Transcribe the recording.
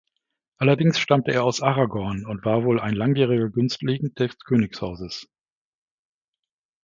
Allerdings stammte er aus Aragon und war wohl ein langjähriger Günstling des Königshauses.